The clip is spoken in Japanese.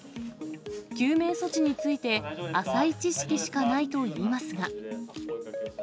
救命措置について、浅い知識しかないといいますが。